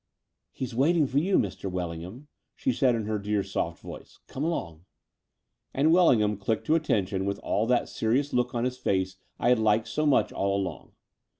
"He's waiting for you, Mr. Wellingham," she said in her dear, soft voice. "Come along." And Wellingham clicked to attention with that serious look on his face I had liked so much all along.